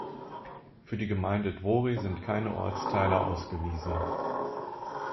Für die Gemeinde Dvory sind keine Ortsteile ausgewiesen.